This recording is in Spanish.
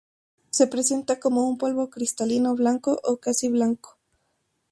Se presenta como un polvo cristalino blanco o casi blanco.